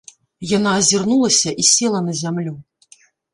Яна азірнулася і села на зямлю.